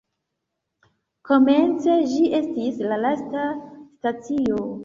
Komence ĝi estis la lasta stacio.